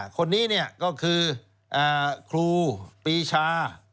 คนนี้เนี่ยก็คือครูปีชา